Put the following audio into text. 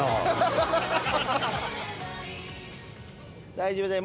大丈夫だよ。